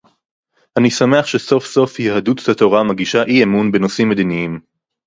אני שמח שסוף-סוף יהדות התורה מגישה אי-אמון בנושאים מדיניים